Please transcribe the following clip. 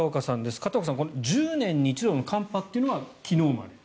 片岡さん、１０年に一度の寒波というのが昨日まで。